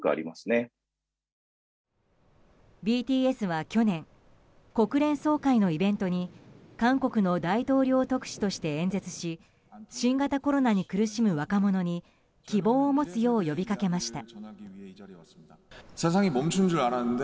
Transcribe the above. ＢＴＳは去年国連総会のイベントに韓国の大統領特使として演説し新型コロナに苦しむ若者に希望を持つよう呼びかけました。